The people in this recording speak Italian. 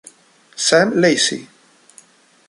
Sam Lacey